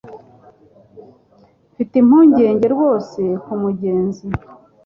Mfite impungenge rwose kumugenzi.